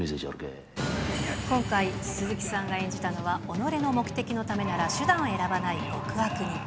今回、鈴木さんが演じたのは、己の目的のためなら手段を選ばない極悪人。